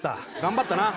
頑張った。